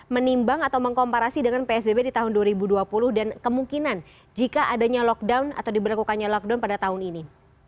menimbang atau mengkomparasi dengan psbb di tahun dua ribu dua puluh dan kemungkinan jika adanya lockdown atau diberlakukannya lockdown pada tahun ini